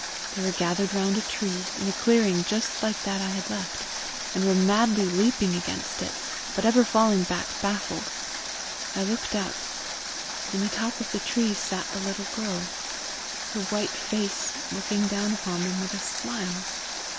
They were gathered round a tree, in a clearing just like that I had left, and were madly leaping against it, but ever falling back baffled. I looked up: in the top of the tree sat the little girl, her white face looking down upon them with a smile.